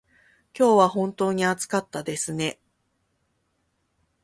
今日は本当に暑かったですね。